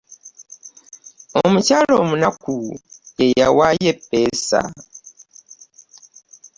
Omukyala omunaku yaeaayo epoeesa .